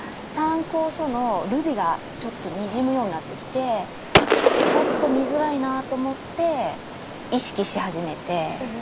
参考書のルビがちょっとにじむようになってきてちょっと見づらいなと思って意識し始めて。